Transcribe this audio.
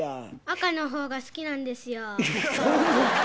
赤のほうが好きなんですよ。